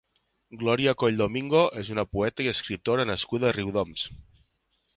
Glòria Coll Domingo és una poeta i escriptora nascuda a Riudoms.